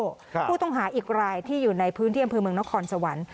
ผู้ต้องหาอีกรายที่อยู่ในพื้นที่อำเภอเมืองนครสวรรค์